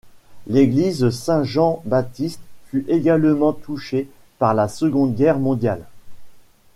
L’église Saint-Jean-Baptiste fut également touchée par la Seconde Guerre mondiale.